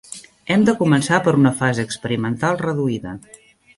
Hem de començar per una fase experimental reduïda.